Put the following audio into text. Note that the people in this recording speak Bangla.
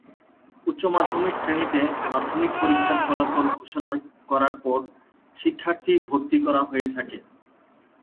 উচ্চমাধ্যমিক শ্রেণিতে মাধ্যমিক পরীক্ষার ফলাফল ঘোষণা করার পর শিক্ষার্থী ভর্তি করা হয়ে থাকে।